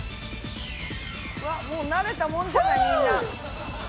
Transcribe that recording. わっもう慣れたもんじゃないみんな。